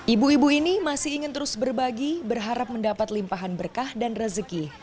ibu ibu ini masih ingin terus berbagi berharap mendapat limpahan berkah dan rezeki